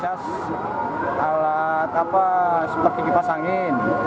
itu semua ngecas alat seperti kipas angin